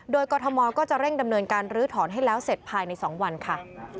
โดยกรทมก็จะเร่งดำเนินการลื้อถอนให้แล้วเสร็จภายใน๒วันค่ะ